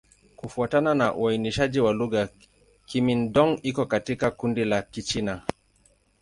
Kufuatana na uainishaji wa lugha, Kimin-Dong iko katika kundi la Kichina.